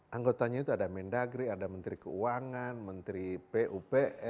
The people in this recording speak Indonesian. anggotanya itu ada mendagri ada menteri keuangan menteri pupr